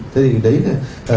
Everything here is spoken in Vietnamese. thế thì đấy là